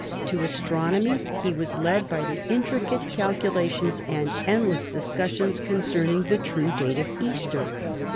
To astronomy he was led by the in tricate calculations and endless discussions concerning the true date of Easter.